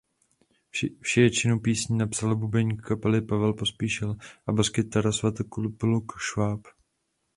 Většinu písní napsali bubeník kapely Pavel Pospíšil a baskytarista Svatopluk Šváb.